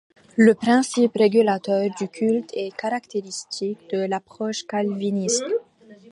Le principe régulateur du culte est caractéristique de l'approche calviniste.